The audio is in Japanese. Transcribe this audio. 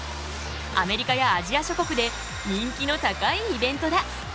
アメリカやアジア諸国で人気の高いイベントだ。